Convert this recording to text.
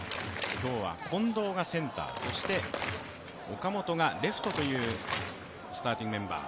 今日は近藤がセンター、そして岡本がレフトというスターティングメンバー。